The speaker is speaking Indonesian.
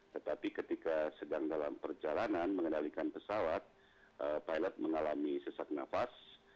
tetapi ketika sedang dalam perjalanan mengendalikan pesawat pilot mengalami sesak nafas